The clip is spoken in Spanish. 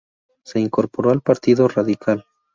Se incorporó al Partido Radical.